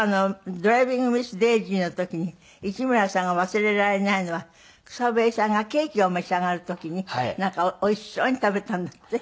『ドライビング・ミス・デイジー』の時に市村さんが忘れられないのは草笛さんがケーキを召し上がる時になんかおいしそうに食べたんだって？